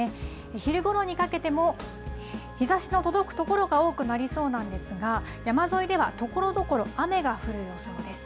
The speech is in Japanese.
昼ごろにかけても日ざしの届く所が多くなりそうなんですが、山沿いではところどころ、雨が降る予想です。